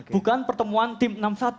bukan pertemuan tim enam puluh satu